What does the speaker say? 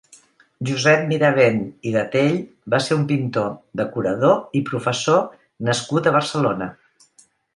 Josep Mirabent i Gatell va ser un pintor, decorador i professor nascut a Barcelona.